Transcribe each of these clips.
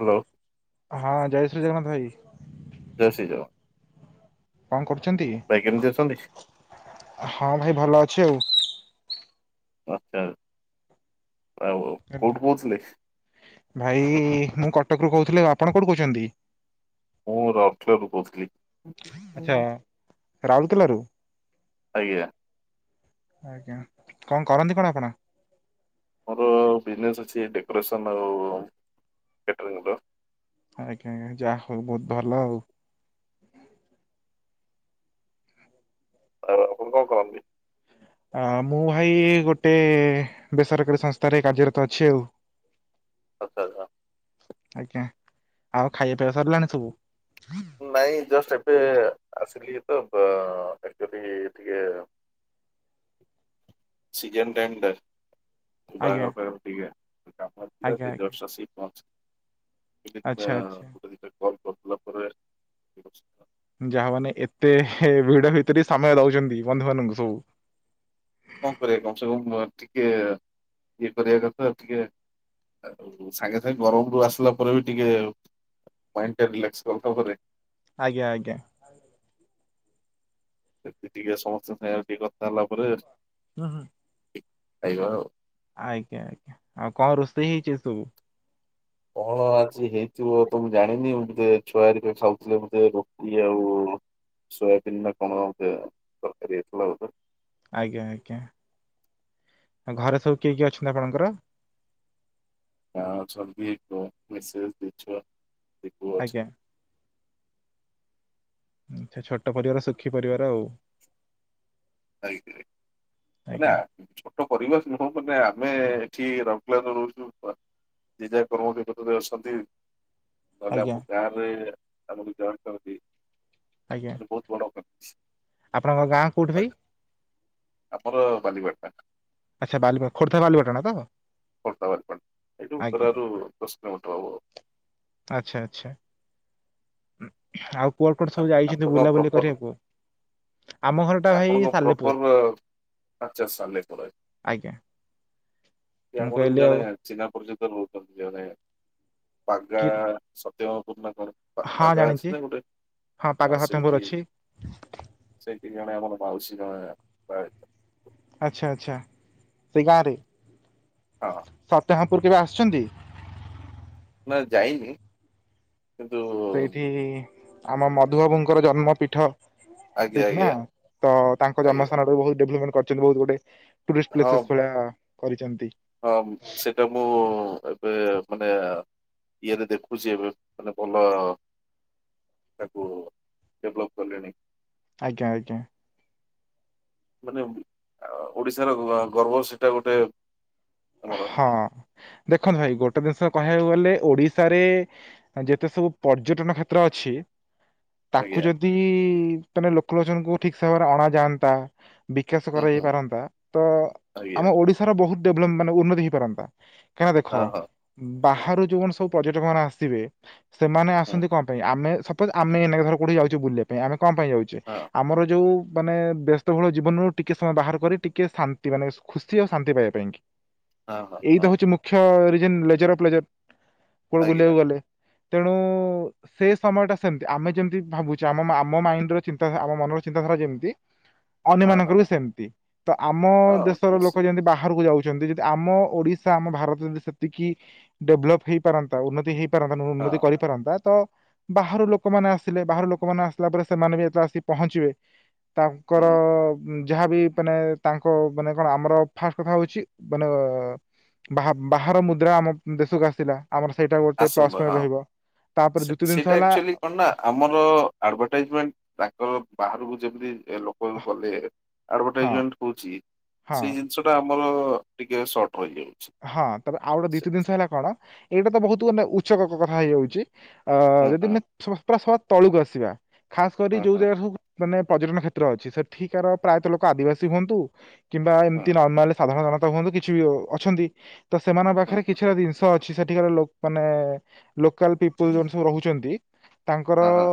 Hello. ହଁ ଜୟ ଶ୍ରୀ ଜଗନ୍ନାଥ ଭାଇ। ଜୟ ଶ୍ରୀ ଜଗନ୍ନାଥ। କଣ କରୁଛନ୍ତି? ଭାଇ କେମିତି ଅଛନ୍ତି? ହଁ ଭାଇ ଭଲ ଅଛି ଆଉ। ବାଛ [inaudible] ଭାଇ ମୁଁ କଟକ ରୁ କହୁଥିଲେ ଆପଣ କୋଉଠୁ କହୁଛନ୍ତି? ମୁଁ ରାଉଲକେଲାରୁ କହୁଥିଲି। ଆଚ୍ଛା ହୁଁ। ରାଉରକେଲାରୁ। ଆଜ୍ଞା। ଆଜ୍ଞା କଣ କରନ୍ତି କଣ ଆପଣ? ମୋର ବିଜନେସ୍ ଅଛି ଡେକୋରେସନ୍ ଆଉ କ୍ୟାଟରିଂର। ଆଜ୍ଞା-ଆଜ୍ଞା ଯାହା ହଉ ବହୁତ ଭଲ ଆଉ। ଆପଣ କଣ କରନ୍ତି? ଅ ମୁଁ ଭାଇ ଗୋଟେ ବେସରକାରୀ ସଂସ୍ଥାରେ କାର୍ଯ୍ୟରତ ଅଛି ଆଉ। ଆଚ୍ଛା-ଆଚ୍ଛା। ଆଜ୍ଞା। ଆଉ ଖାଇବା ପିଇବା ସରିଲାଣି ସବୁ? ନାଇଁ ଜଷ୍ଟ ଏବେ ଆସିଲି ତ ଆକ୍ଚୁଆଲି ଟିକେ ସିଜନ ଟେଣ୍ଡର। ଆଜ୍ଞା ବାହାଘର ପାଇଁ ଅପେକ୍ଷା ଟିକେ କାମ ଥିଲା ଆଜ୍ଞା ଆଜ୍ଞା ଜଷ୍ଟ ଆସି ପହଞ୍ଚିଲି। [inaudible] ଗୋଟେ ଆଚ୍ଛା ଆଚ୍ଛା। ଦିଇଟା କଲ କରିଲା ପରେ ଯାହା ମାନେ ଏତେ ଭିଡ ଭିତରେ ସମୟ ଦଉଛନ୍ତି ବନ୍ଧୁ ମାନଙ୍କୁ ସବୁ। କଣ କରିବା କମ ସେ କମ ଟିକେ ଇଏ କରିବା କଥା ଟିକେ ଆଉ ସାଙ୍ଗେ-ସାଙ୍ଗେ ଗରମରୁୁ ଆସିଲା ପରେ ବି ଟିକେ ମାଇଣ୍ଡ ଟା ରିଲାକ୍ସ [unintelligible] ପରେ। ଆଜ୍ଞା-ଆଜ୍ଞା। ଏଇ ଟିକେ ସମସ୍ତଙ୍କ ସାଙ୍ଗରେ ଟିକେ କଥା ହେଲା ପରେ ଉଁ ହୁଁ। ଖାଇବା ଆଉ। ଆଜ୍ଞା-ଆଜ୍ଞା ଆଉ କଣ ରୋଷେଇ ହେଇଛି ଆଜି ସବୁ? କଣ ଆଜି ହେଇଥିବ ତ ମୁଁ ଜାଣିନି ବୋଧେ ଛୁଆ ହେରିକା ବୋଧେ ରୁଟି ଆଉ ସୋୟାବିନ ନା କଣ ଗୋଟେ ତରକାରୀ ହେଇଥିଲା ବୋଧେ। ଆଜ୍ଞା-ଆଜ୍ଞା। ଘରେ ସବୁ କିଏ କିଏ ଅଛନ୍ତି ଆପଣଙ୍କର? ଘରେ ଅଛନ୍ତି ଏ ମେସେଜ ଦେଇଛ [inaudible] ଆଜ୍ଞା। ଏମତିଆ ଛୋଟ ପରିବାର ସୁଖୀ ପରିବାର ଆଉ। [unintelligible] ଆଜ୍ଞା କରିବା ନୁହଁ ମାନେ ଆମେ ଏଠି ରହିଲା [unintelligible] ଦି ଯା କର୍ମ [unintelligible] ଆସନ୍ତି। ତାହେଲେ ଆମ ଆଜ୍ଞା ଗାଁରେ ଆମର ଜଏଣ୍ଟ ଫ୍ୟାମିଲି ଆଜ୍ଞା ମାନେ ବହୁତ ବଡ ଫ୍ୟାମିଲି। ଆପଣଙ୍କ ଗାଁ କୋଉଠି ଭାଇ? ଆମର ବାଲିପାଟଣା। ଆଚ୍ଛା ବାଲି ଖୋର୍ଦ୍ଧା ବାଲିପାଟଣା ତ? ଖୋର୍ଦ୍ଧା ବାଲିପାଟଣା ଏଇଠୁ ଆଜ୍ଞା ଉତ୍ତରାରୁ ଦଶ କିଲୋମିଟର ହବ। ଆଚ୍ଛା-ଆଚ୍ଛା ଆଉ କୁଆଡେ କୁଆଡେ ଆଉ। ସବୁ ଯାଇଛନ୍ତି ଆପଣଙ୍କ ବୁଲାବୁଲି ପ୍ରପର କରିବାକୁ ଆମ ଘରଟା ଭାଇ ସାଲେପୁର। ଆଚ୍ଛା ସାଲେପୁର ଆଜ୍ଞା ମୁଁ ଆମର ବି କହିଲି ଆଉ ଜଣେ ଚିହ୍ନା ପରିଚିତ ରହୁଛନ୍ତି ଜଣେ [unintelligible] [unintelligible] ର ପାଗା କିଏ କ ହଁ ଜାଣିଛି ଅଛି ନା ଗୋଟେ ହଁ ପାଗ ଆଉ ସତ୍ୟମପୁର ଅଛି ସେଇଠି-ସେଇଠି ଜଣେ ଆମର ମାଉସୀ ଜଣେ ବାହା ହେଇଛନ୍ତି। ଆଛା-ଆଚ୍ଛା ସେ ଗାଁରେ ହଁ [inaudible] ପୁର କେବେ ଆସିଛନ୍ତି? ଯାଇନି କିନ୍ତୁ ସେଇଠି ଆମ ମଧୁବାବୁଙ୍କର ଜନ୍ମ ପୀଠ। ଆଜ୍ଞା ସେଠି ନା ଆଜ୍ଞା ତ ତାଙ୍କ ଆଜ୍ଞା ଜନ୍ମସ୍ଥାନରେ ବହୁ ଡେଭଲପମେଣ୍ଟ କରିଛନ୍ତି ବହୁତ ଗୁଡେ। ଟୁରିଷ୍ଟ ହଁ ପ୍ଲେସେସ୍ ଭଳିଆ କରିଛନ୍ତି। ହଁ ସେଟା ମୁଁ ଏବେ ମାନେ ଇଏରେ ଦେଖୁଛି ଏବେ ମାନେ ଭଲ ତାକୁ ଡେଭଲପ କଲେଣି। ଆଜ୍ଞା-ଆଜ୍ଞା। ମାନେ ଆ ଓଡିଶାର ଗ ଗର୍ବ ସେଟା ଗୋଟେ। ଆମର ହଁ ଦେଖନ୍ତୁ ଭାଇ ଗୋଟେ ଜିନିଷ କହିବାକୁ ଗଲେ ଓଡିଶାରେ ଯେତେ ସବୁ ପର୍ଯ୍ୟଟନ କ୍ଷେତ୍ର ଅଛି। ତାକୁ ଆଜ୍ଞା। ଯଦି ତମେ ଲୋକଲୋଚନଙ୍କୁ ଠିକ ସେମୟରେ ଅଣା ଯାଆନ୍ତା ବିକାଶ ହୁଁ ହୁଁ କରାଯାଇ ପାରନ୍ତା ତ ଆମ ଆଜ୍ଞା ଓଡିଶାର ବହୁତ ଡେଭଲପ ମାନେ ଉନ୍ନତି ହେଇପାରନ୍ତା। କାହିଁକନା ଦେଖ ହଁ ହଁ ବାହାରୁ ଯୋଉ ମାନେ ସବୁ ପର୍ଯ୍ୟଟକ ମାନେ ଆସିବେ ସେମାନେ ହୁଁ ଆସନ୍ତି ହୁଁ କଣ ପାଇଁ ଆମେ ସପୋଜ ଆମେ ଏଇନା କୋଉଠି ଯାଉଛେ ବୁଲିବା ପାଇଁ ଆମେ କଣ ପାଇଁ ଯାଉଛେ ହଁ ଆମର ଯଉ ମାନେ ବ୍ୟସ୍ତବହୁଳ ଜୀବନରୁ ଟିକିଏ ସମୟ ବାହାର କରି ଟିକିଏ ଶାନ୍ତି ମାନେ ଖୁସି ଆଉ ଶାନ୍ତି ପାଇବା ପାଇଁ କି ହଁ ହଁ ଏଇ ତ ହଁ ହଉଛି ମୁଖ୍ୟ ରିଜିନ ଲେଜର ଅଫ ଲେଜ କୁଆଡେ ଆଜ୍ଞା। ବୁଲିବାକୁ ଗଲେ। ତେଣୁ। ସେ ସମୟଟା ସେମତି ଆମେ ଯେମିତି ଭାବୁଛେ ଆମ ଆମ ମାଇଣ୍ଡର ଚିନ୍ତାଧା ଆମ ମନର ଚିନ୍ତାଧାରା ଯେମିତି ଅନ୍ୟ ହଁ ମାନଙ୍କର ହଁ ବି ସେମିତି ତ ଆମ ହଁ ଦେଶର ଲୋକ ନିଶ୍ଚିତ ଯେମିତି ବାହାରକୁ ଯାଉ ଆମ ଓଡିଶା ଆମ ଭାରତ ଯେମିତି ସେତିକି ଡେଭଲପ ହେଇ ପାରନ୍ତା ଉନ୍ନତି ହେଇ ପାରନ୍ତା ହଁ ଉନ୍ନତି କରିପାରନ୍ତା ତ ବାହାର ଲୋକମାନେ ଆସିଲେ ବାହାର ଲୋକମାନେ ଆସିଲା ପରେ ସେମାନେ ବି ଯେତଳେ ଆସି ପହଞ୍ଚିବେ ତାଙ୍କର ହୁଁ ଯାହାବି ମାନେ ତାଙ୍କ ମାନେ କଣ ଆମର ଫାଷ୍ଟ କଥା ହଉଛି ମାନେ ଅ ବା-ବାହାର ମୁଦ୍ରା ଆମ ଦେଶକୁ ଆସିଲା। ଆମର ସେଇଟା ଗୋଟେ ପ୍ଲସ ପଏଣ୍ଟ ରହିବ। ତାପରେ ଦ୍ଵିତୀୟ ଜିନିଷ ସେ-ସେଇଟା ହେଲା ଏକଚୁଆଲି କଣନା ଆମର ଆଡଭଟାଇଜମେଣ୍ଟ ତାଙ୍କ ବାହାରକୁ ଯେମିତି ଲୋକ ଗଲେ ହଁ ଆଡଭରଟାଇଜମେଣ୍ଟ ହଉଛି ହଁ ସେଇ ଜିନିଷଟା ଆମ ଆମର ଟିକେ ଶର୍ଟ। ହଁ ତ ଆଉ ଗୋଟେ ଦିିତି ଜିନିଷ ହେଲା କଣ ଏଇଟା ତ ବହୁତ ମାନେ ଉଚ କ-କଥା ହେଇଯାଉଛି। ଆ ହୁଁ ହୁଁ ଯଦି [unintelligible] ତଳକୁ ଆସିବା ଖାସ କରି ହୁଁ ଯୋଉ ହୁଁ ଜାଗା ସବୁ ମାନେ ପର୍ଯ୍ୟଟନ କ୍ଷେତ୍ର ଅଛି ସେଠିକାର ପ୍ରାୟତଃ ଲୋକ ଆଦିବାସୀ ହୁଅନ୍ତୁ କିମ୍ବା ହୁଁ ଏମିତି ନର୍ମାଲି ସାଧାରଣ ଜନତା ହୁଅନ୍ତୁ କିଛି ବି ଅଛନ୍ତି ତ ସେମାନଙ୍କ ହୁଁ ହୁଁ ପାଖରେ କିଛିଟା ଜିନିଷ ଅ ଛି ସେଠିକାର ମାନେ ଲୋକାଲ ପିପୁଲ ଯୋଉମାନେ ସବୁ ରହୁଛନ୍ତି। ତାଙ୍କର ହଁ ହଁ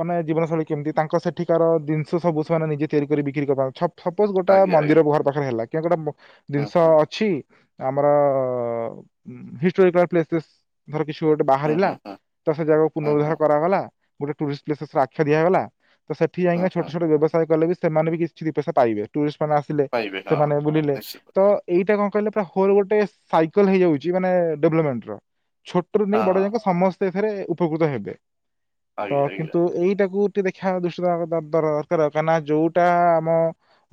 ମାନେ ଜୀବନଶୈଳୀ କେମିତି ତାଙ୍କ ସେଠିକାର ଜିନିଷ ସବୁ ସେମାନେ ନିଜେ ତିଆରି କରି ବିକ୍ରି କରବା ଛ ସପୋଜ ଗୋଟେ ଆଜ୍ଞା ଆଜ୍ଞା ମନ୍ଦିର ଘର ପାଖରେ ହେଲା କିଆଁ ମୋ ହୁଁ ଜିନିଷ ଅଛି। ଆମର ଅ ଉଁ ହିଷ୍ଟ୍ରୋକାଲ ପ୍ଲେସ୍ ପ୍ଲେସ ଧର କିଛି ଗୋଟେ ହୁଁ ବାହାରିଲା ହୁଁ ହୁଁ ତ ସେ ଜାଗାକୁ ହୁଁ ହୁଁ ପୁନରୁଦ୍ଧାର କରାଗଲା ଗୋଟେ ଟୁରିଷ୍ଟ ପ୍ଲେସସ ଆଖ୍ୟା ଦିଆଗଲା। ତ ସେଠି ହୁଁ ଯାଇଁକି ହୁଁ ଛୋଟ ଛୋଟ ବ୍ୟବସାୟ କଲେ ବି ସେମାନେ ବି କିଛି ଦି ପଇସା ପାଇବେ ଟୁଷ୍ଟ ସେମାନେ ଆସିଲେ ପାଇବେ ହଁ ସେମାନେ ବୁଲିଲେ ନିଶ୍ଚିତ ତ ଏଇଟା କଣ କହିଲେ ହୋଲ ଗୋଟେ ସାଇକଲ ହେଇଯାଉଛି ମାନେ ଡେଭଲପମେଣ୍ଟ ର ଛୋଟୁ ହଁ ନେଇକି ବଡ ଯାକେ ସମ ସେଥିରେ ଉପକୃତ ହେବେ ତ ଆଜ୍ଞା ଆଜ୍ଞା କିନ୍ତୁ ଏଇଟାକୁ ଦେଖିବା ଦୃଷ୍ଟି ଦବାକଥା ଦର ଦରକାର କାହିଁକ ନା ଯୋଉଟା ଆମ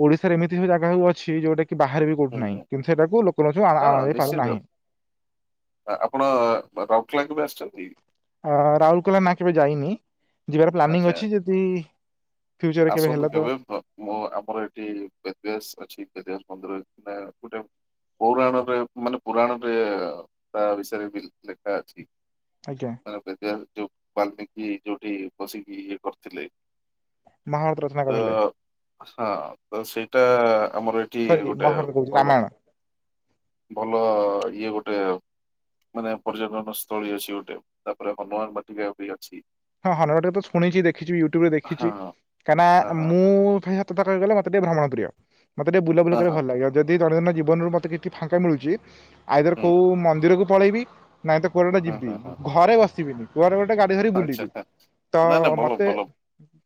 ଓଡିଶାରେ ଏମିତି ସବୁ ଜାଗା ସବୁ ଅଛି ଯୋଉଟା କି ବାହାରେ ବି କଉଠି ହୁଁ ନାଁ ହୁଁ। କିନ୍ତୁ ସେଟା ଲୋକ ଆ ହଁ ଆଣି ନିଶ୍ଚିତ ପାରୁନାହିଁ ଆ ଆପଣ ରାଉରକେଲା କେବେ ଆସିଛନ୍ତି? ହଁ ରାଉଲକେଲା ନା କେବେ ଯାଇନି। ପ୍ଲାନିଂ ଆଚ୍ଛା ଅଛି ଯଦି ଫ୍ୟୁଚରରେ ଆସନ୍ତୁ ହେଲା ତ କେବେ ଅ ମୁଁ ଆମର ଏଠି ବେଦବ୍ୟାସ ଅଛି ବଦବ୍ୟାସ ମନ୍ଦିର। ମାନେ ଗୋଟେ ପୌରାଣରେ ମାନେ ପୁରଣରେ ତା ବିଷୟରେ ବି ଲେଖା ଅଛି। ଆଜ୍ଞା ମାନେ ବେଦବ୍ୟାସ ଯୋଉ ବାଲମିକି ଯୋଉଠି ବସିକି ଇଏ କରିଥିଲେ। ମହାଭାରତ ରଚନା ତ କରିଥିଲେ। ହଁ ତ ସେଇଟା ଆମର ଏଠି ସରି ଗୋଟେ ମହାଭାରତ କହୁଛି ଭଲ ରାମାୟଣ ଭଲ ଇଏ ଗୋଟେ। ମାନେ ପର୍ଯ୍ୟଟନ ସ୍ଥଳୀ ଅଛି ଗୋଟେ ତାପରେ ହନୁମାନ ବାଟିକା ବି ଅଛି। ହଁ ହନୁମାନ ବାଟିକା ତ ଶୁଣିଛି ଦେଖିଛି ୟୁଟ୍ୟୁବ ରେ ଦେଖିଛି ହଁ କାହିଁକନା ହଁ ହଁ ମୁଁ ଖା ତଥା କ କହିିଲ ଗ ମତେ ଟିକେ ଭ୍ରମଣ ପ୍ରିୟ ମତେ ଟିକେ ବୁଲାବୁଲି ହଁ କରିଆକୁ ହଁ ଭଲ ଲାଗେ ଆଉ ଯଦି ଦୈନନ୍ଦିନ ଜୀବନରୁ ମତେ କିଛି ଟିକେ ଫାଙ୍କା ମିଳୁଛି ଆଇଦର ହୁଁ କୋଉ ମନ୍ଦିରକୁ ପଳେଇବି ନାଇଁ ତ କୁଆଡେଟେ ହୁଁ ଯିବି ହୁଁ ହୁଁ ଘରେ ବସିବିନି କୁଆଡେ ଗୋଟେ ଗାଡି ଧରି କି ଆଚ୍ଛା ବୁଲିବି। ତ ନା ନା ଭଲ ମତେ ଭଲ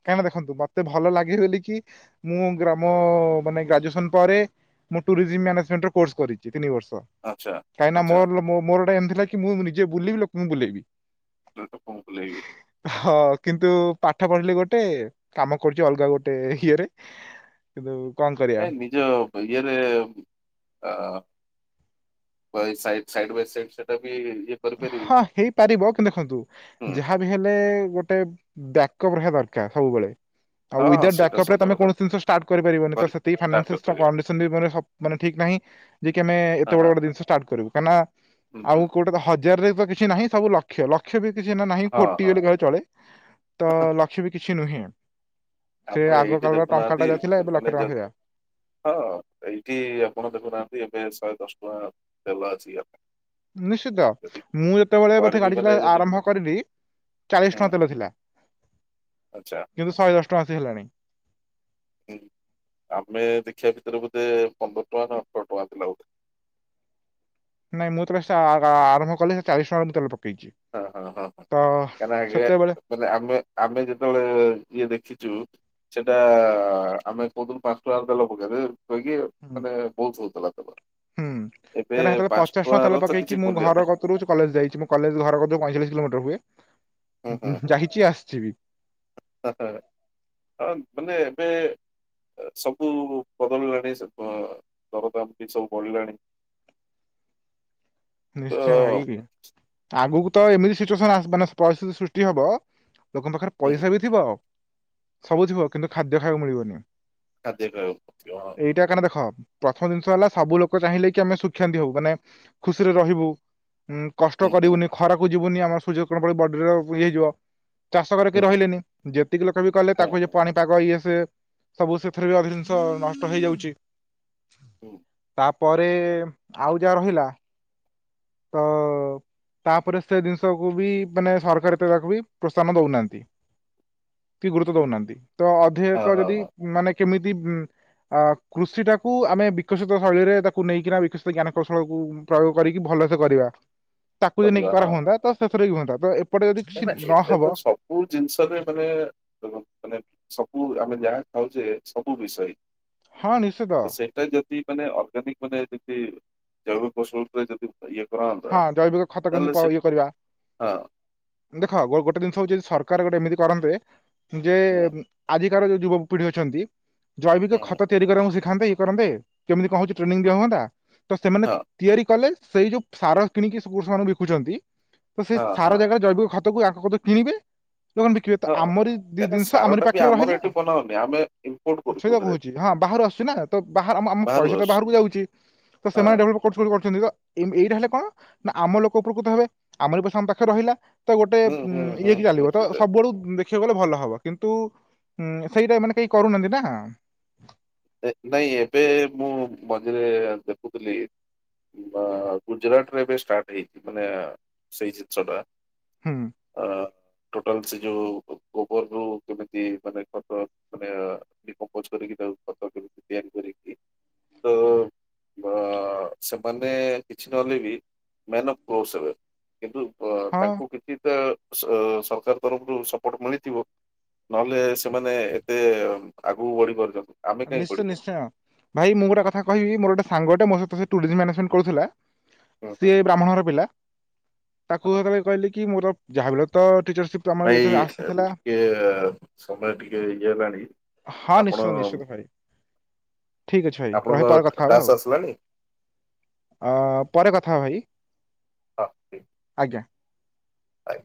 କାହିଁକି ନା ଦେଖନ୍ତୁ ମତେ ଭଲ ଲାଗେ ବୋଲି କି ମୁଁ ଗ୍ରାମ ମାନେ ଗ୍ରାଜୁଏସନ ପରେ ମୁଁ ଟୁରିଜିମ୍ ମ୍ୟାନେମେଣ୍ଟର କୋର୍ସ କରିଚି ତିନି ବର୍ଷ। ଆଚ୍ଛା କାହିଁକିନା ଆଚ୍ଛା ମୋର ମୋର ଗୋଟା ଏମିତିଥିଲା କି ମୁଁ ନିଜେ ବୁଲିବି ଲୋକଙ୍କୁ ବୁଲେଇବି। [unintelligible] ବୁଲେଇବେ। ହଁ କିନ୍ତୁ ପାଠ ପଢିଲେ ଗୋଟେ କାମ କରୁଛି ଅଲଗା ଗୋଟେ ଇଏରେ କିନ୍ତୁ କଣ କରିବା ଏ ନିଜ ଇଏରେ ଅ ସାଇ ସାଇଡ ବାଇ ସାଇଡ ସେଟା ବି ଇଏ କରିପାରିବି ହଁ ହେଇପାରିବ କିନ୍ତୁ ଦେଖନ୍ତୁ ହୁଁ ଯାହା ବି ହେଲେ ଗୋଟେ ଡ୍ୟା ଅପ୍ ରହିବା ଦରକାର ସବୁବେଳେ। ଆଉ ହଁ ହଁ ୱିଦାଉଟ୍ ସେଇଟା ବ୍ୟାକଅପ ରେ ସତ ତମେ କଥା କୋଣସି ଜିନିଷ ଷ୍ଟାର୍ଟ କରି ପାରିବନି ଟା ସେତିକି ଷ୍ଟାର୍ଟ କରିପାରିବା [unintelligible] ଠିକ୍ ନାହିଁ ଯେ କି ଆମେ ଏତେ ହଁ ବଡ ହଁ ବଡ ଜିନିଷ ଷ୍ଟାର୍ଟ କରିବୁ କାହିଁକି ନା ହୁଁ ଆଉ ହୁଁ କୋଉଠେ ତ ହ ଜରେ ତ କିଛି ନାହିଁ ସବୁ ଲକ୍ଷ୍ୟ ଲକ୍ଷ୍ୟ ବି କିଛି ନା ନାହିଁ ହଁ ଖୋଟି ହଁ ବ ଚଳେ ତ ଲକ୍ଷ୍ୟ ବି କିଛି ଛି ନୁହେଁ। ସେ ତାପଣ ଆଗ ଏଇଠି କାଳର ଟଙ୍କା ଟା ଦେଖୁନାହାନ୍ତି ଯାହା ଥିଲା ଏବେ ଲକ୍ଷ ଟଙ୍କା ସେ ସେଇଆ। ହଁ ଏଇଠି ଆପଣ ଦେଖୁନାହାନ୍ତି ଏବେ ଶହେ ଦଶ ଟଙ୍କା ତେଲ ଅଛି ଆପ ନିଶ୍ଚିତ ମୁଁ ଯେତେବେଳେ କୁଆଡେ ବୋଧେ ବି ଗାଡି ଚ ମାନେ ଯଦି ଆରମ୍ଭ କରିଲି। ଚାଳିଶ ହୁଁ ଟଙ୍କା ତେଲ ଥିଲା ଆଚ୍ଛା କିନ୍ତୁ ଶହେ ଦଶ ଟଙ୍କା ଆସି ହେଲାଣି। ହୁଁ ଆମେ ଦେଖିବା ଭିତରେ ବୋଧେ ପନ୍ଦର ଟଙ୍କା ନା ଅଠର ଟଙ୍କା ଥିଲା ବୋଧେ। [inaudible] ନାଇଁ ମୁଁ ତ ଆରମ୍ଭ କଲି ଚାଳିଶ ଟଙ୍କା ତେଲ ପକେଇଛି ହଁ ହଁ ହଁ ହଁ। ତ କାହିଁକିନା ସେତେବେଳେ ଆ ମାନେ ଆମେ ଆମେ ଯେତେବେଳେ ଇଏ ଦେଖିଛୁ। ସେଟା ଆମେ କୋଉଥିରୁ ପାଞ୍ଚଟଙ୍କାରେ ତେଲ ପକେଇବେ। କହିକି ହୁଁ ମାନେ ବହୁତ ହଉଥିଲା ତେଲ। ହୁଁ ଏବେ କାହିଁକନା ସେତେବେଳେ ପାଞ୍ଚ ପଚଶ ଟା ଟଙ୍କାର ତେଲ ତ ପକ କିଛି ମୁଁ ମୂଲ୍ୟ ଘର ନାହିଁ। କୁରୁଛି କଲେଜ ଯାଇଛି। ମୁଁ କଲେଜ ଧର ପଇଞ୍ଚଚାଶ କିଲୋମିଟର ହୁଁ ହୁଏ। ହୁଁ ଯାଇଛି ଆସିଛିିବି ପେ ସବୁ ବଦଳିଲାଣି ଦରଦାମ ବି ସବୁ ବଳିଲାଣି [inaudible] ନିଶ୍ଚୟ ଭାଇକି ଆଗକୁ ତ ଏମିତି ସିଚୁଏସନ ମାନେ ପରିସ୍ଥିତି ସୃଷ୍ଟି ହବ ଲୋକଙ୍କ ପାଖରେ ହୁଁ ପଇସା ବି ଥିବ ସବୁ ଥିବ କିନ୍ତୁ ଖାଦ୍ୟ ଖାଇବାକୁ ମିଳିବନି। ଏଇଟା କାରଣ [unintelligible] ଦେଖ ପ୍ରଥମ ଜିନିଷ ହେଲା ସବୁ ଲୋକ ଚାହିଁଲେ କି ଆମେ ସୁଖାନ୍ତି ହବୁ ମାନେ ଖୁସିରେ ରହିବୁ। ଉଁ କଷ୍ଟ ହୁଁ ହୁଁ କରିବୁନି ଖରାକୁ ଯିବୁନି ଆମର ସୂର୍ଯ୍ୟ କଣ ପଡ ବଡିରେ ଇଏ ହେଇଯିବ। ଚାଷ କରିକି ହୁଁ ରହିଲେନି ଯେତିକି ଲୋକ ବି କଲେ ହଁ ତାକୁ ଯେ ହଁ ପାଣିପାଗ ଇଏ ସେ ସବୁ ସେଥିରେ ବି ଅଧ ଜିନିଷ ନଷ୍ଟ ହେଇଯାଉଛି। ହୁଁ। ପରେ ଆଉ ଯାହା ରହିଲା ତ ତାପରେ ସେ ଜିନିଷକୁୁ ବି ମାନେ ସରକାର ଏତେ ତାକୁ ବି ପ୍ରୋତ୍ସାହନ ଦଉନାହାନ୍ତି। କି ଗୁରୁତ୍ବ ଦଉନାହାନ୍ତି ତ ହଁ ଅଧକ ହଁ ଯଦି ହଁ ମାନେ କେମିତି ଉଁ ଅ କୃଷି ଟାକୁ ଆମେ ବିକଶିତ ଶୈଳୀରେ ତାକୁ ନେଇକିନା ବିକଶିତ ଜ୍ଞାନ କୌଶଳକୁୁ ପ୍ରୟୋଗ କରିକି ଭଲ କରିବା ତାକୁ ଯଦି ନେଇକି କରା ହୁଅନ୍ତା ତ ସେଥିରେ ହୁଅନ୍ତା ତ ଏପଟେ ଯଦି କିଛି କଁ ଏବେ ନହବ ତ ସବୁ ଜିନିଷରେ ମାନେ ମାନେ ସବୁ ଆମେ ଯା ଦୋଉଛ ସବୁ ବିଷୟ ହଁ ନିଶ୍ଚିତ। ତ ସେଇଟା ଯଦି ମାନେ ଅର୍ଗାନିକ ମାନେ ଯି ଜଳ ଫସଲରେ ଯଦି ଇଏ କରନ୍ତା ହଁ ଜୈବିକ ଖତ ତାହେଲେ କେମିତି ସେ ଇଏ କରିବା। ହଁ ଦେଖ ଗୋଟେ ଜିନିଷ ହଉଛି ଯଦି ସରକାର ଗୋଟେ ଏମିତି କରନ୍ତେ ଯେ ହୁଁ ଆଜି ଯୋଉ ଯୁବ ପିଢି ଅଛନ୍ତି ଜୈବିକ ହୁଁ ଖତ ତିଆରି କରିବାକୁ ସେଠ ଖାନ୍ତେ ଇଏ କରନ୍ତେ କେମିତି କଣ ହଉଛି ଟ୍ରେନିଂ ଦ ହୁଅନ୍ତା ତ ସେମାନେ ହଁ ତିଆରି କଲେ ସେଇ ଯୋଉ ସାର କିଣିକି ସେ ପୁରୁଷ ମାନଙ୍କୁ ବିକୁଛନ୍ତି ତ ସେ ହଁ ହଁ ସାର ଜାଗାରେ ଜୈବିକ ଖତକୁଙ୍କତ କିଣିବେ ଲ ବିକିବେ ତ ହଁ ଆମରି ଦି କାହିଁକିନା ଜିନିଷ ସାର ଆମରି ଟା ବି ପାଖରେ ଆମର ରହିଲା ଏଠି ବନାଉନି ଆମେ ଇମ୍ପୋର୍ଟ ସେଇଟା କରୁଛୁ ଫେରେ କହୁଛି ହଁ। ବାହାରୁ ଆସୁଛି ନା ତ ବା ଆମ ଆମ ବାହାରୁ ପଇସାଟ ଆସୁଛି ବାହାରକୁ ଯାଉଛି ତ ହଁ ସେମାନେଡେଭଲପ୍ କରୁ କରଛନ୍ତି ତ ଏଇଟା ହେଲେ କଣ ନା ଆମ ଲୋକ ଉପକୃତ ହେବେ ଆମର ପଇସା ଆମ ପାଖରେ ରହିଲା ତ ଗୋଟେ ହୁଁ ଉ ହୁଁ ହୁଁ ଇଏକ ଚାଲିବ ତ ନିଶ୍ଚିତ ସବୁଆଳୁ ଦେଖିବାକୁ ଗଲେ ଭଲ ହବ କିନ୍ତୁ ତୁ ସେଇଟା ମାନେ କେହି କରୁନାହାନ୍ତି ନା ନାଇଁ ଏବେ ମୁଁ ମଝିରେ ଦେଖୁଥିଲି ଗୁଜୁରାଟ ରେ ଏବେ ଷ୍ଟାର୍ଟ ହେଇଛି ମାନେ ସେଇ ଜିନିଷ ଟା ହୁଁ ହଁ। ଟାଲ ସେ ଯୋଉ ଗୋବର ର କେମତି କମପୋସ କରିକି ତା ଆାନ କରିକି ତ ସେମାନେ କିଛି ନହେଲେ ବି ମ୍ୟାନ୍ ଅଫ୍ କ୍ୋ ହେବେ କିନ୍ତୁ ହଁ ତାଙ୍କୁ କିଛି ତ ସରକାର ତରଫରୁ ସପୋର୍ଟ ମିଳିଥିବ ନହେଲେ ସେମାନେ ଏତେ ଆଗକୁ ବଢି ପାରୁଛନ୍ତି ଆମେ କାହିଁ ନିଶ୍ଚ ବଢିପାରିବୁ। ନିଶ୍ଚୟଁ ଭାଇ ମୁଁ ଗୋଟେ କଥାହିବି ମୋର ଗୋଟେ ସାଙ୍ଗୋଟେ ମୋ ସହିତ ସେ ଟୁରିଜ ମ୍ୟାନେଜମେଣ୍ଟ କରୁଥିଲା ହୁଁ ହୁଁ ସିଏ ବ୍ରାହ୍ମଣର ପିଲା ତାକୁ ଯେତେବେଳେ କହିଲେ କି ମୋର ଯାହା ବଳେ ତ ଟିଚରସିପ ଆମର ନାଇଁ ଯେତେବେଳେ ଆସିଥିଲା ଟିକେ ସମୟ ଟିକେ ଇଏ ହେଲାଣି। ହଁ ଆପଣ ନିଶ୍ଚିତ ନିଶ୍ଚିତ ଭାଇ ଠିକ ଅଛି ଭାଇ ରହପାର ଆପଣଙ୍କ କଥା ହବ ଟାସ୍କ ଆଉ। ଆସିଲାଣି ଅ ପରେ କଥା ଭାଇ। ହଁ। ଆଜ୍ଞା ଆଜ୍ଞ।